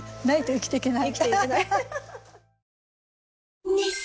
生きていけない。